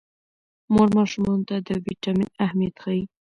مور ماشومانو ته د ویټامین اهمیت ښيي.